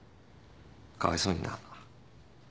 かわいそうにな。